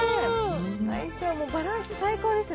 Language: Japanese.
相性もバランスも最高ですね。